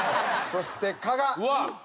そして加賀。